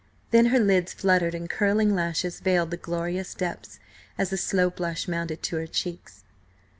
Then her lids fluttered and curling lashes veiled the glorious depths, as a slow blush mounted to her cheeks.